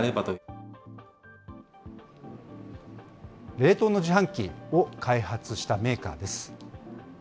冷凍の自販機を開発したメーカーです。